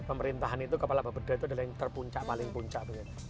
di pemerintahan itu kepala bapak beda itu adalah yang terpuncak paling puncak